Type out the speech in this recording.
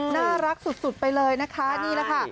น่ารักสุดไปเลยนะคะนี่แหละค่ะ